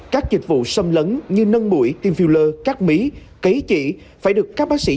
các dịch vụ xâm lấn như nâng mũi team filler các mí cấy chỉ phải được các bác sĩ